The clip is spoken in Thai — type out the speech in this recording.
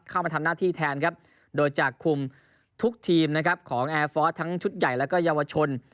เข้ามาทำหน้าที่แทนครับโดยจะคุมทุกทีมนะครับของแอร์ฟอร์สทั้งชุดใหญ่แล้วก็เยาวชน